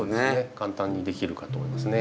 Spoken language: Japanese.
簡単にできるかと思いますね。